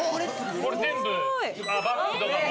・これ全部バッグとかも。